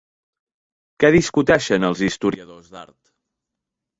Què discuteixen els historiadors d'art?